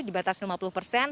dibatasi lima puluh persen